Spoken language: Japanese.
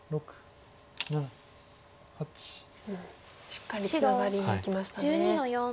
しっかりツナがりにいきましたね。